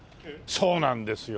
そうなんですよ。